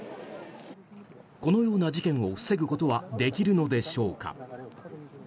このような事件を防ぐことはできるのでしょうか。